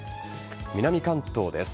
南関東です。